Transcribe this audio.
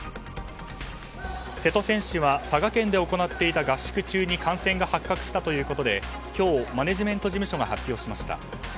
瀬戸選手は佐賀県で行っていた合宿中に感染が発覚したということで今日、マネジメント事務所が発表しました。